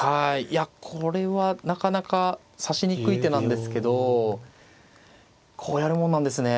いやこれはなかなか指しにくい手なんですけどこうやるもんなんですね。